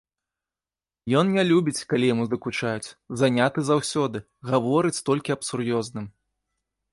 Ён не любіць, калі яму дакучаюць, заняты заўсёды, гаворыць толькі аб сур'ёзным.